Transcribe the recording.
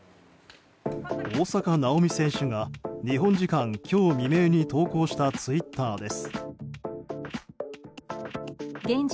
大坂なおみ選手が日本時間今日未明に投稿したツイッターです。